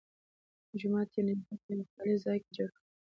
جومات یې نږدې په یوه خالي ځای کې جوړ کړ.